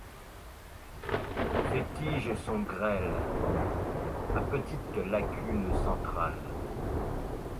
Ces tiges sont grêles, à petite lacune centrale.